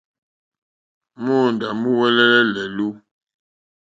Móǒndá múúŋwɛ̀lɛ̀ lɛ̀lú.